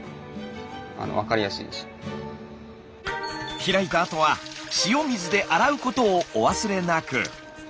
開いたあとは塩水で洗うことをお忘れなく。